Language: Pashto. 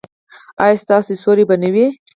ایا ستاسو سیوری به نه وي؟